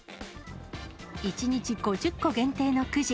１日５０個限定のくじ。